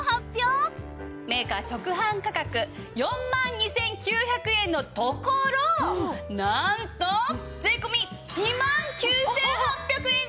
メーカー直販価格４万２９００円のところなんと税込２万９８００円です。